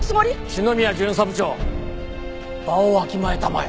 篠宮巡査部長場をわきまえたまえ。